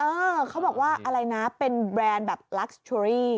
เขาบอกว่าอะไรนะเป็นแบรนด์แบบลักษ์เชอรี่